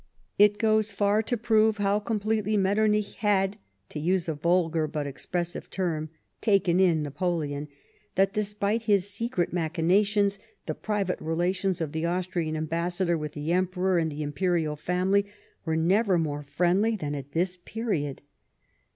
It goes far to prove how completely Metternich had — to use a vulgar but expressive term —" taken in " Na poleon, that, despite his secret machinations, the private relations of the Austrian ambassador with the Emperor and the Imperial family were never more friendly than at this period.